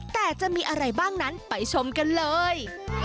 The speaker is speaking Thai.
แต่จะมีอะไรบ้างนั้นไปชมกันเลย